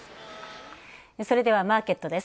それではマーケットです。